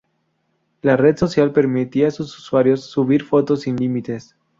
La red social permitía a sus usuarios subir fotos sin límites.